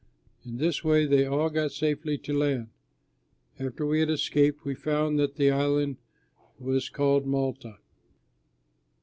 In this way they all got safely to land. After we had escaped we found that the island was called Malta.